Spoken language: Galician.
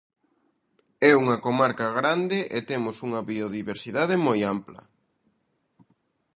É unha comarca grande e temos unha biodiversidade moi ampla.